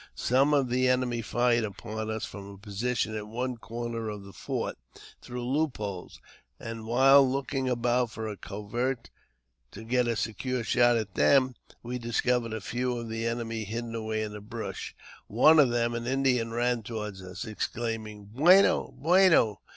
Some of the enemy fired upon us from a position at one corner of the fort, through loop holes ; and while looking about for a covert to get a secure shot at them, we discovered a few of the enemy hidden away in the brush. One of them, an Indian, ran toward us, ex claiming, "Bueno! bueno